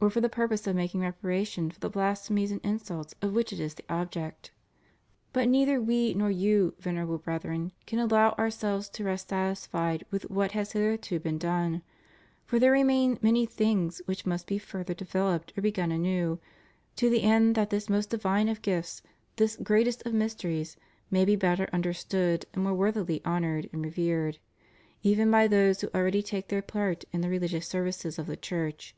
535 or for the purpose of making reparation for the blas phemies and insults of which it is the object. But neither We nor you, Venerable Brethren, can allow ourselves to rest satisfied with what has hitherto been done; for there remain many things which must be further de veloped or begun anew, to the end that this most divine of gifts, this greatest of mysteries, may be better under stood and more worthily honored and revered, even by those who already take their part in the religious services of the Church.